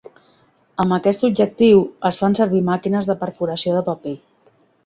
Amb aquest objectiu es fan servir màquines de perforació de paper.